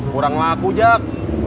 kurang laku jak